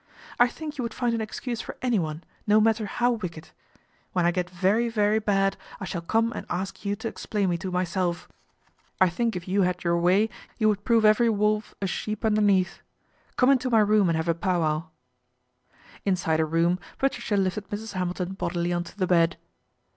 " I think you would find an excuse for anyone, no matter how wicked. When I get very, very bad I shall come and ask you to explain me to myself. I think if you had 92 PATRICIA BRENT, SPINSTER your way you would prove every wolf a sheep underneath. Come into my room and have a pow wow." Inside her room Patricia lifted Mrs. Hamilton bodily on to the bed.